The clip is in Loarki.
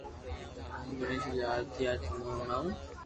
گڻآݾ ري آرتي آج تموني ھڻاو